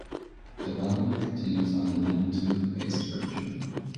Development continues on a nanotube based version.